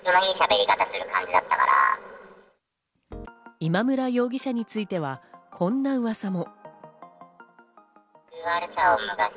今村容疑者については、こんなうわさも。